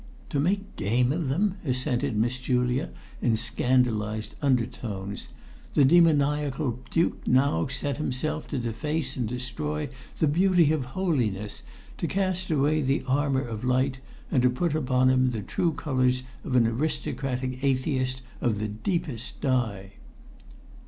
"To make game of them!" assented Miss Julia in scandalised undertones. "'The demoniacal Duke now set himself to deface and destroy the beauty of holiness, to cast away the armour of light, and to put upon him the true colours of an aristocratic atheist of the deepest dye.'"